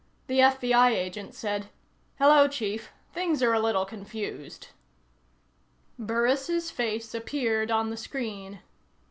The FBI agent said: "Hello, Chief. Things are a little confused." Burris' face appeared on the screen.